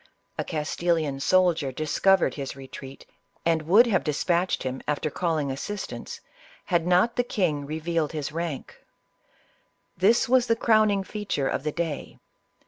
A Castilian soldier discovered his retreat, and would have dispatched him after calling assistance, had not the king revealed his rank. This was the crowning feature of the day.